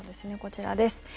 こちらです。